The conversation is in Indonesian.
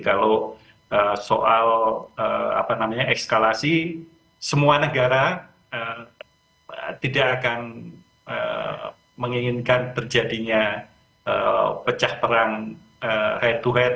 kalau soal ekskalasi semua negara tidak akan menginginkan terjadinya pecah perang head to head